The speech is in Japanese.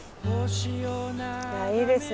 いやいいですね。